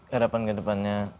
harapan ke depannya